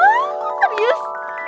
wah kok serius